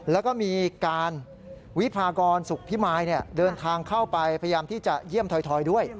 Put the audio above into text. แล้วก็มีการวิพากรสุขพิมายเดินทางเข้าไปพยายามที่จะเยี่ยมถอยด้วย